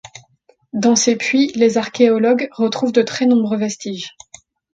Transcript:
Dans ces puits, les archéologues retrouvent de très nombreux vestiges.